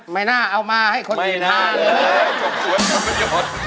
ไม่น่าเอามาให้คนอื่นทานเลย